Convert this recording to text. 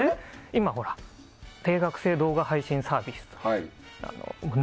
今は定額制動画配信サービス。